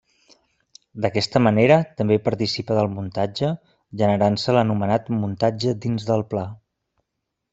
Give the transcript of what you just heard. D'aquesta manera també participa del muntatge, generant-se l'anomenat muntatge dins del pla.